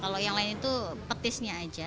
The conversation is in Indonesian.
kalau yang lain itu petisnya aja